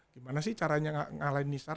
gimana sih caranya ngalahin nisar